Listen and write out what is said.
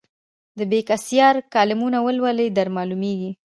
د بېکسیار کالمونه ولولئ درمعلومېږي.